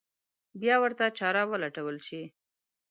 بیا ورته چاره ولټول شي.